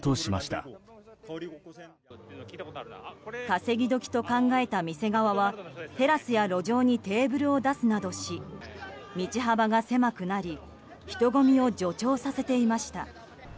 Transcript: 稼ぎ時と考えた店側はテラスや路上にテーブルを出すなどし道幅が狭くなり人混みを助長させていました。